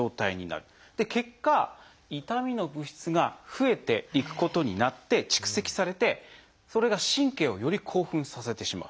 結果痛みの物質が増えていくことになって蓄積されてそれが神経をより興奮させてしまう。